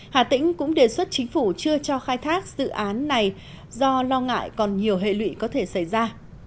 hà tĩnh cũng đề xuất chính phủ chưa cho khai thác dự án này do lo ngại còn nhiều hệ lụy có thể xảy ra